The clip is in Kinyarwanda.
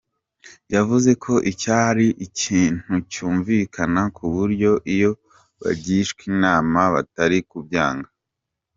Yavuze ko icyo ari ikintu cyumvikana ku buryo iyo bagishwa inama batari kubyanga.